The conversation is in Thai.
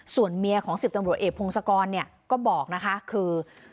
ส่วนเมียของ๑๐ตำรวจเอกพงศกรก็บอกนะคะคือ